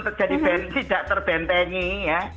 tidak terbentengi ya